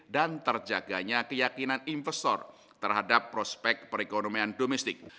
dan terjaganya keyakinan investor terhadap prospek perekonomian domestik